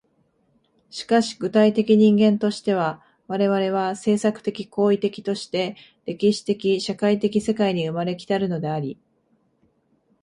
しかし具体的人間としては、我々は制作的・行為的として歴史的・社会的世界に生まれ来たるのであり、